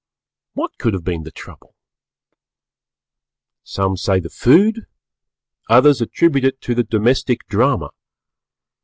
What could have been the trouble? Some say the food, others attribute it to the Domestic Drama.